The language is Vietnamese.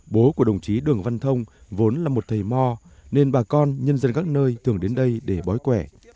bố của đồng chí đường văn thông vốn là một thầy mò nên bà con nhân dân các nơi thường đến đây để bói quẻ